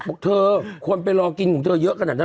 บอกเธอคนไปรอกินของเธอเยอะขนาดนั้น